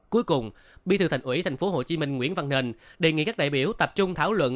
cuối cùng bí thư thành ủy tp hcm nguyễn văn nền đề nghị các đại biểu tập trung thảo luận